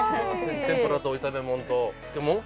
天ぷらと炒め物と漬物？